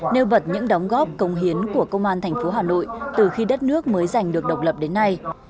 nêu bật những đóng góp công hiến của công an thành phố hà nội từ khi đất nước mới giành được độc lập đến nay